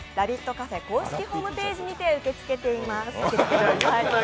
カフェ公式ホームページにて受け付けております。